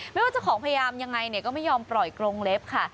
ไม่ว่าจะของพยายามยังไงก็ไม่ยอมปล่อยกรงเล็บค่ะ